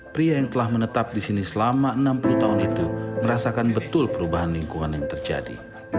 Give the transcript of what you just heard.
pria yang telah menetap di sini selama enam puluh tahun itu merasakan betul perubahan lingkungan yang terjadi